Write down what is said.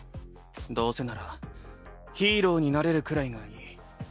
どうせならヒーローになれるくらいがいい。